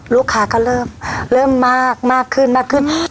ลูกค้าก็เริ่มเริ่มมากมากขึ้นมากขึ้นอืม